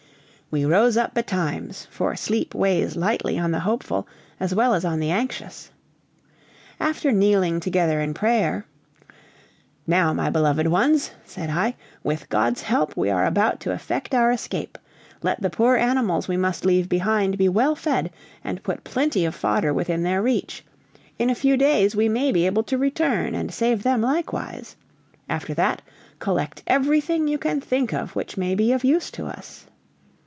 We rose up betimes, for sleep weighs lightly on the hopeful, as well as on the anxious. After kneeling together in prayer, "Now, my beloved ones," said I, "with God's help we are about to effect our escape. Let the poor animals we must leave behind be well fed, and put plenty of fodder within their reach: in a few days we may be able to return, and save them likewise. After that, collect everything you can think of which may be of use to us."